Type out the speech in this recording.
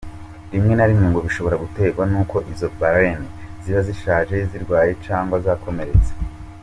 Rimwe na rimwe ngo birashobora gutegwa nuko izo "baleines" ziba zishaje, zirwaye canke zakomeretse.